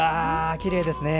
きれいですね。